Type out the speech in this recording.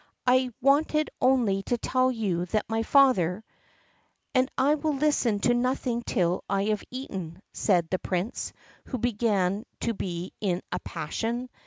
I wanted only to tell you that my father " "And I will listen to nothing till I have eaten," said the Prince, who began to be in a passion.